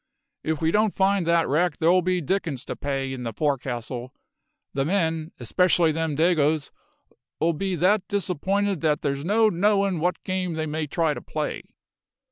If we don't find that wrack there'll be the dickens to pay in the forecastle. The men especially them Dagoes 'll be that disapp'inted that there's no knowin' what game they may try to play."